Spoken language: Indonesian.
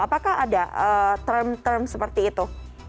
apakah ada term term seperti itu